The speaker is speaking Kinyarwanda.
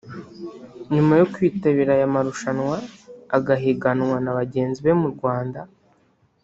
nyuma yo kwitabira aya marushanwa agahiganwa na bagenzi be mu Rwanda